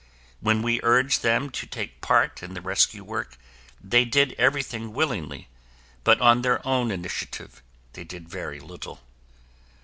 When we urged them to take part in the rescue work, they did everything willingly, but on their own initiative they did very little.